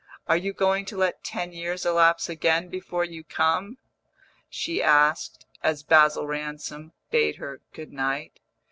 "Are you going to let ten years elapse again before you come?" she asked, as Basil Ransom bade her good night.